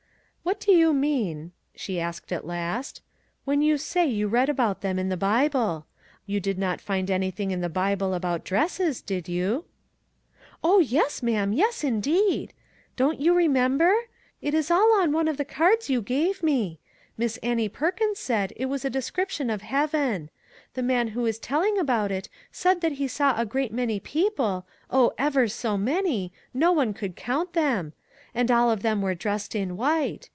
" What do you mean," she asked at last, " when you say you read about them in the Bible ? You did not find anything in the Bible about dresses, did you ?"" Oh, yes, ma'am, yes, indeed ! don't you re member ? It is all on one of the cards you gave me. Miss Annie Perkins said it was a descrip 209 MAG AND MARGARET tion of heaven. The man who is telling about it said that he saw a great many people oh, ever so many! no one could count them and all of them were dressed in white.